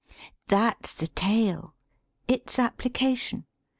XIV That's the tale: its application?